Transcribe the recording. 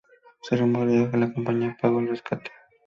Se rumorea que la compañía pagó el rescate.